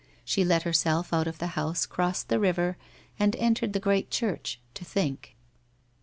She let herself out of the house, crossed the river, and entered the great church, to think.